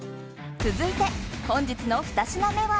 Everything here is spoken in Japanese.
続いて、本日の２品目は